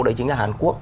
đấy chính là hàn quốc